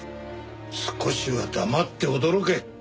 少しは黙って驚け。